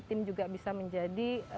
tim juga bisa menjadi